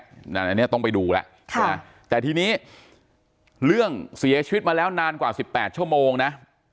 อันนี้ต้องไปดูแล้วแต่ทีนี้เรื่องเสียชีวิตมาแล้วนานกว่า๑๘ชั่วโมงนะ